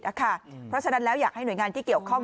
เพราะฉะนั้นแล้วอยากให้หน่วยงานที่เกี่ยวข้อง